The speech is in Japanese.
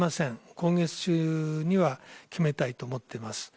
今月中には決めたいと思っています。